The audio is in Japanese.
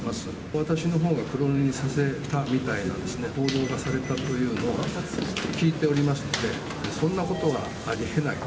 私のほうが黒塗りにさせたみたいな報道がされたというのを聞いておりますので、そんなことはありえない。